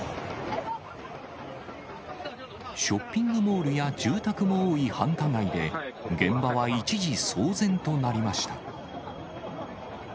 ショッピングモールや住宅も多い繁華街で、現場は一時騒然となりました。